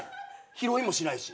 拾いもしないし。